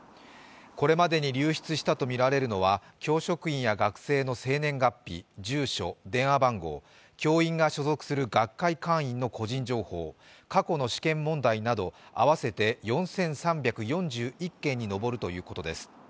これまでに流出したとみられるのは教職員や学生の生年月日、住所、電話番号、教員が所属する学会会員の個人情報過去の試験問題など合わせて４３４１件に上るということです。